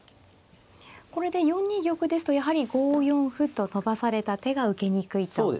これで４二玉ですとやはり５四歩と伸ばされた手が受けにくいと。